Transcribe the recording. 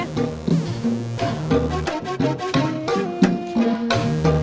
jangan semakin ivls ada ralawd